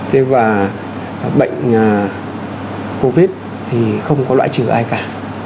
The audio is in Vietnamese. thế và bệnh covid thì không có loại trừ ai cả